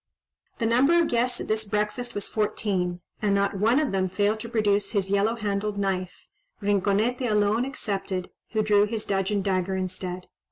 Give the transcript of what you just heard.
The number of guests at this breakfast was fourteen, and not one of them failed to produce his yellow handled knife, Rinconete alone excepted, who drew his dudgeon dagger instead.